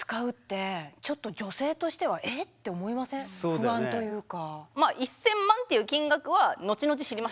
不安というか。